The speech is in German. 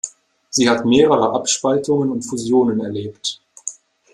Sie hat mehrere Abspaltungen und Fusionen erlebt.